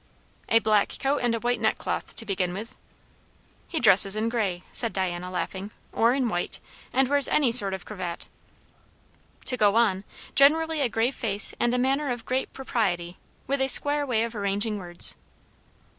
"A black coat and a white neckcloth, to begin with." "He dresses in grey," said Diana laughing, "or in white; and wears any sort of a cravat." "To go on, Generally a grave face and a manner of great propriety; with a square way of arranging words."